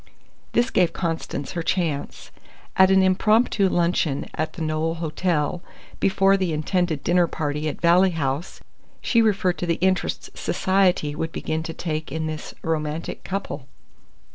This gave Constance her chance. At an impromptu luncheon at the Knowle Hotel, before the intended dinner party at Valley House, she referred to the interest Society would begin to take in this "romantic couple."